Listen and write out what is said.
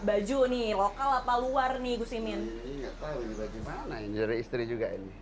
ini gak tahu nih baju mana ini dari istri juga ini